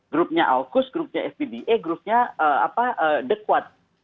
grupnya aukus grupnya fpba grupnya dekuat